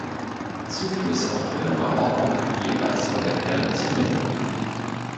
Zuflüsse auch höherer Ordnung, jeweils von der Quelle zur Mündung.